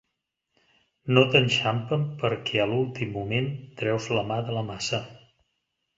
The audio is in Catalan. No t'enxampen perquè, a l'últim moment, treus la mà de la massa.